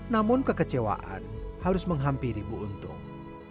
namun kekecewaan harus menghampiri bu untung